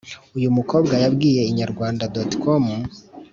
Uyu mukobwa yabwiye Inyarwanda.com